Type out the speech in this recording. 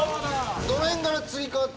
どの辺からつり革って。